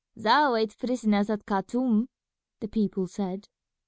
"There are white prisoners at Khartoum," the people said.